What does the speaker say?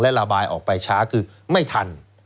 และระบายออกไปช้าคือไม่ทัน